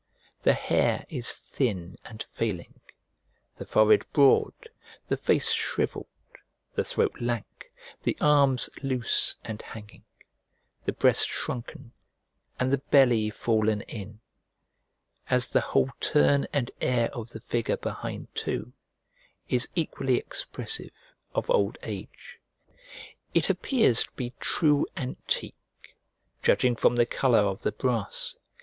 The hair is thin and failing, the forehead broad, the face shrivelled, the throat lank, the arms loose and hanging, the breast shrunken, and the belly fallen in, as the whole turn and air of the figure behind too is equally expressive of old age. It appears to be true antique, judging from the colour of the brass.